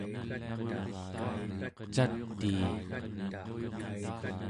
catii